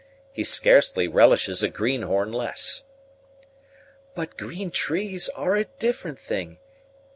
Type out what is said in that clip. He scarcely relishes a greenhorn less." "But green trees are a different thing.